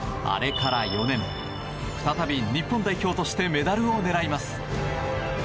あれから４年再び日本代表としてメダルを狙います。